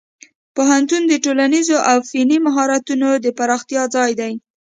پوهنتون د ټولنیزو او فني مهارتونو د پراختیا ځای دی.